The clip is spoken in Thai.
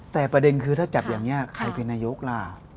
แต่ประเด็นคือถ้าจับอย่างนี้ใครเป็นนายกล่ะ